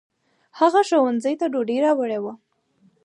هغه ښوونځي ته ډوډۍ راوړې وه.